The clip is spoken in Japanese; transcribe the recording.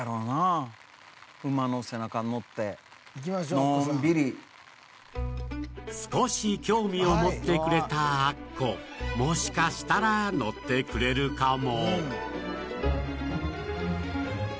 あれ黒王やほんまにこれ少し興味を持ってくれたアッコもしかしたら乗ってくれるかも？